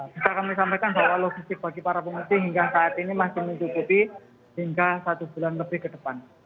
bisa kami sampaikan bahwa logistik bagi para pengungsi hingga saat ini masih mencukupi hingga satu bulan lebih ke depan